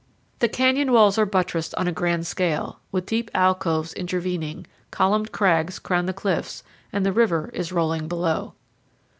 The canyon walls are buttressed on a grand scale, with deep alcoves intervening; columned crags crown the cliffs, and the river is rolling below.